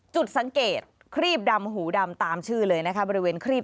จุดสังเกตครีบดำหูดำตามชื่อเลยนะคะบริเวณครีบ